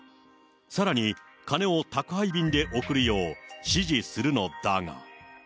さらに、金を宅配便で送るよう指示するのだが。